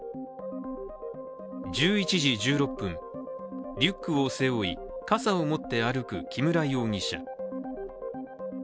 １１時１６分、リュックを背負い傘を持って歩く木村容疑者。